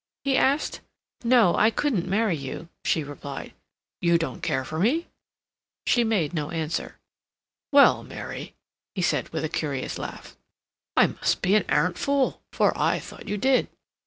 he asked. "No, I couldn't marry you," she replied. "You don't care for me?" She made no answer. "Well, Mary," he said, with a curious laugh, "I must be an arrant fool, for I thought you did."